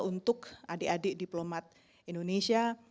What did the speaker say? untuk adik adik diplomat indonesia